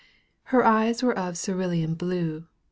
Her eyes were of cerulean blue.